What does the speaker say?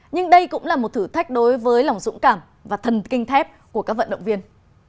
nhưng đây cũng là một thử thách đối với lòng dũng cảm và thần kinh thép của các vận động viên